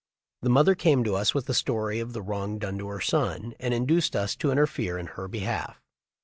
The mother came to us with the story of the wrong done her son and induced us to interfere in her be half.